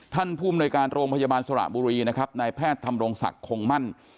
ภูมิหน่วยการโรงพยาบาลสระบุรีนะครับนายแพทย์ทำรงศักดิ์คงมั่น